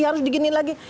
harus digini lagi